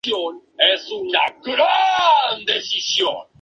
Foco morisco importante, en el que solo queda cerámica industrial.